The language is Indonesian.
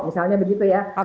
misalnya begitu ya